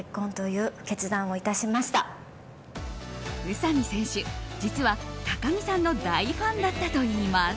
宇佐見選手、実は高城さんの大ファンだったといいます。